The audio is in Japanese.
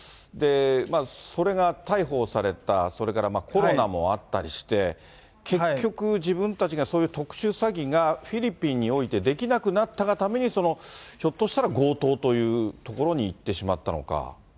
それが逮捕された、それからコロナもあったりして、結局自分たちがそういう特殊詐欺がフィリピンにおいてできなくなったがために、ひょっとしたら強盗というところにいってしまったのか。